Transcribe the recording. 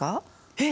えっ？